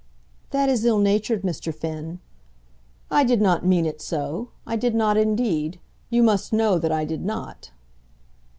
"That is ill natured, Mr. Finn." "I did not mean it so. I did not indeed. You must know that I did not."